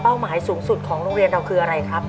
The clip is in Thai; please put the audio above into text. หมายสูงสุดของโรงเรียนเราคืออะไรครับ